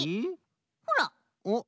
ほら。おっ。